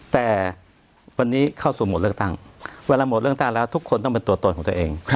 แต่วันนี้เข้าสู่โหมดเลือกตั้งเวลาหมดเลือกตั้งแล้วทุกคนต้องเป็นตัวตนของตัวเอง